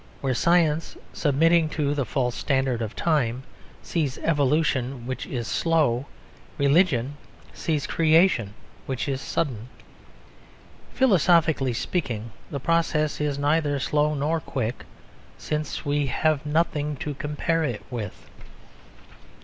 Where science, submitting to the false standard of time, sees evolution, which is slow, religion sees creation, which is sudden. Philosophically speaking, the process is neither slow nor quick since we have nothing to compare it with.